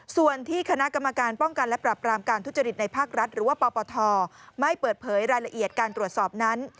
ส่วนที่คณะกรรมการป้องกันและปรับรามการทุจริตในภาครัฐหรือว่าปปทไม่เปิดเผยรายละเอียดการตรวจสอบนั้น